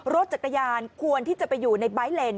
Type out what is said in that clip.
รถจักรยานควรที่จะไปอยู่ในไบท์เลน